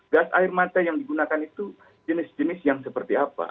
gas air mata yang digunakan itu jenis jenis yang seperti apa